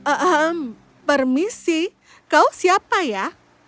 eh permisi kau siapa ya